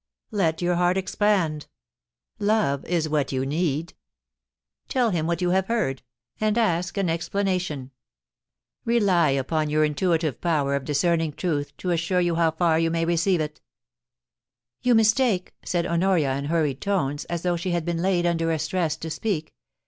Let your heart expand. Love is what you need Tell him what you have heard, and ask an ex FASCINATION. 237 planation. Rely upon your intuitive power of discerning truth to assure you how far you may receive it' * You mistake/ said Honoria in hurried tones, as though she had been laid under a stress to speak.